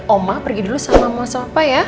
oma pergi dulu sama mama sama papa ya